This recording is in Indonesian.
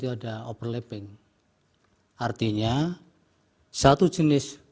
ada overlapping artinya satu jenis